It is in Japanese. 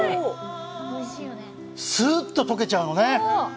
すーっと溶けちゃうのね。